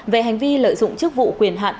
về hành vi lợi dụng chức vụ quyền hạn